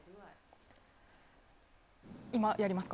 今、やりますか？